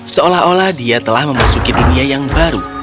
seolah olah dia telah memasuki dunia yang baru